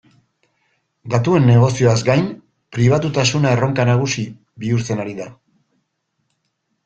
Datuen negozioaz gain, pribatutasuna erronka nagusi bihurtzen ari da.